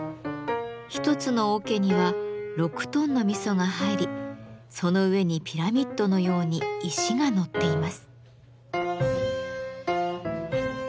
一つの桶には６トンの味噌が入りその上にピラミッドのように石が載っています。